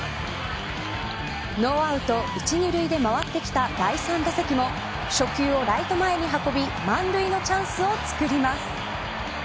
ノーアウト１、２塁で回ってきた第３打席も初球をライト前に運び満塁のチャンスを作ります。